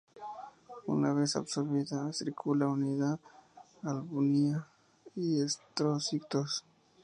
Una vez absorbida, circula unida a albúmina y eritrocitos.